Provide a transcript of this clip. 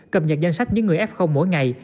cập nhật danh sách những người f mỗi ngày